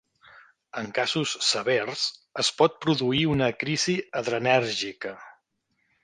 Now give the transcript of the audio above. En casos severs, es pot produir una crisi adrenèrgica.